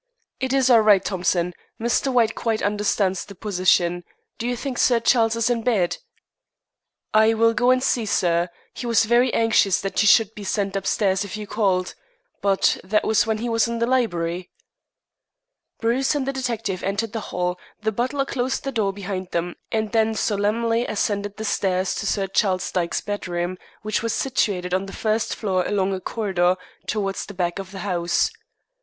"It is all right, Thompson. Mr. White quite understands the position. Do you think Sir Charles is in bed?" "I will go and see, sir. He was very anxious that you should be sent upstairs if you called. But that was when he was in the library." Bruce and the detective entered the hall, the butler closed the door behind them, and then solemnly ascended the stairs to Sir Charles Dyke's bedroom, which was situated on the first floor along a corridor towards the back of the house.